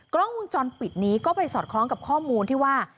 กล้องวงจรปิดนี้ก็ไปสอดคล้องกับข้อมูลที่ว่า